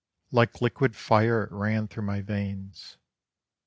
Like liquid fire it ran through my veins.